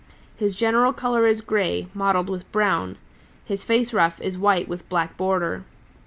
His general color is gray, mottled with brown. His face ruff is white with black border.